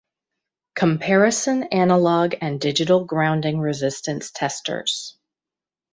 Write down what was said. Comparison analog and digital grounding resistance testers.